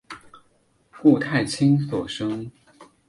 顾太清所生。